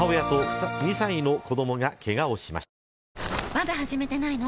まだ始めてないの？